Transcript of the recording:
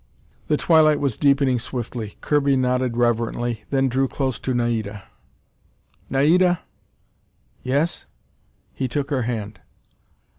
The twilight was deepening swiftly. Kirby nodded reverently, then drew close to Naida. "Naida?" "Yes?" He took her hand.